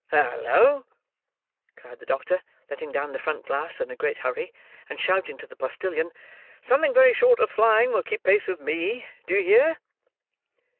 "Halloa!" cried the doctor, letting down the front glass in a great hurry, and shouting to the postillion; "something very short of flying will keep pace with me. Do you hear?"